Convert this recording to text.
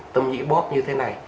tâm nhĩ bóp như thế này